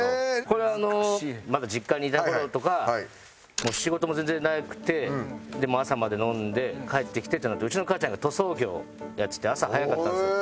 これあのまだ実家にいた頃とかもう仕事も全然なくてでもう朝まで飲んで帰ってきてってなるとうちの母ちゃんが塗装業をやってて朝早かったんですよ。